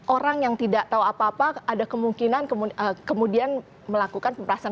orang yang tidak tahu apa apa ada kemungkinan kemudian melakukan pemerasan